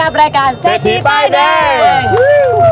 รายการเศรษฐีป้ายแดง